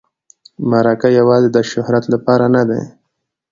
مرکه یوازې د شهرت لپاره نه وي.